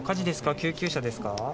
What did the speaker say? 救急車ですか？